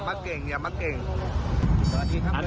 อย่ามาเก่งอย่ามาเก่งอย่ามาเก่ง